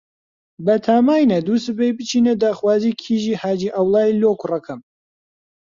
بەتاماینە دووسبەی بچینە داخوازی کیژی حاجی عەوڵای لۆ کوڕەکەم.